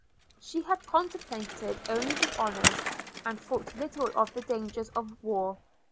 – She had contemplated only the honours, and thought little of the dangers of war.